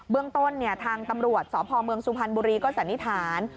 เบื้องต้นเนี่ยทางตำรวจสพเมืองสุพันธ์บุรีก็สันนิษฐาน